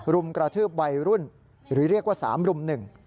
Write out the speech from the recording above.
รุมกระทืบวัยรุ่นหรือเรียกว่า๓รุ่มหนึ่ง